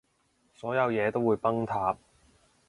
所有嘢都會崩塌